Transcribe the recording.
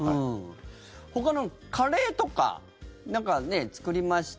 ほかの、カレーとか何かね、作りました。